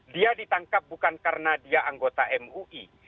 dia ditangkap bukan karena dia anggota mui